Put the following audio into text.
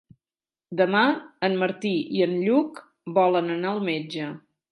Demà en Martí i en Lluc volen anar al metge.